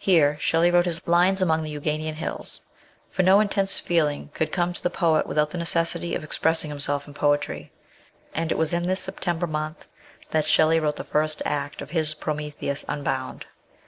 Here Shelley wrote his " Lines among the Euganean Hills," for no intense feeling could come to the poet without the necessity of ex pressing himself in poetry; and it was during this September month that Shelley wrote the first act of his Prometheus Unbound.